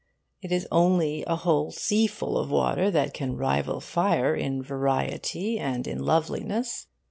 It is only a whole seaful of water that can rival fire in variety and in loveliness.